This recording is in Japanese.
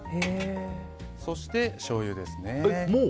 そして、しょうゆですね。